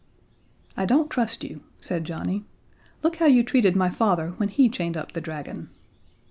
"I don't trust you," said Johnnie. "Look how you treated my father when he chained up the dragon."